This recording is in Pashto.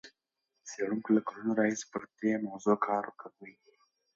څېړونکي له کلونو راهیسې پر دې موضوع کار کوي.